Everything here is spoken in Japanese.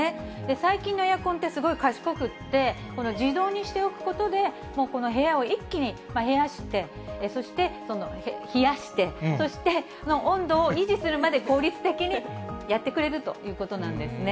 最近のエアコンって、すごい賢くって、自動にしておくことで、この部屋を一気に冷やして、そして温度を維持するまで、効率的にやってくれるということなんですね。